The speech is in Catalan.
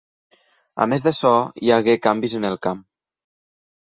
A més d'açò hi hagué canvis en el camp.